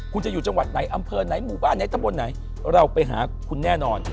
คุณจะอยู่จังหวัดไหนอำเภอไหนหมู่บ้านไหนตำบลไหนเราไปหาคุณแน่นอน